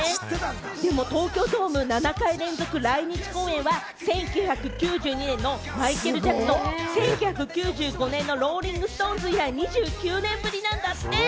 でも東京ドーム７回連続来日公演は１９９２年のマイケル・ジャクソン、１９９５年のローリング・ストーンズ以来２９年ぶりなんだって。